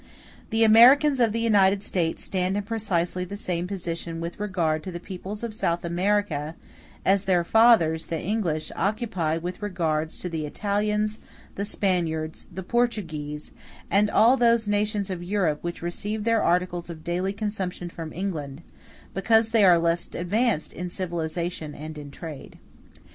The Americans of the United States stand in precisely the same position with regard to the peoples of South America as their fathers, the English, occupy with regard to the Italians, the Spaniards, the Portuguese, and all those nations of Europe which receive their articles of daily consumption from England, because they are less advanced in civilization and trade.